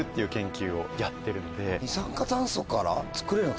二酸化炭素から作れるの？